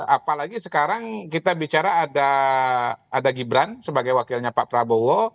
apalagi sekarang kita bicara ada gibran sebagai wakilnya pak prabowo